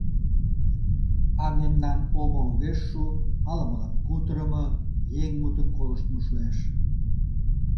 А мемнан омо огеш шу, ала-молан кутырымо, еҥ мутым колыштмо шуэш.